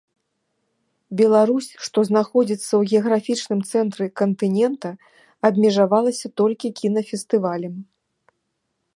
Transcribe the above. Беларусь, што знаходзіцца ў геаграфічным цэнтры кантынента, абмежавалася толькі кінафестывалем.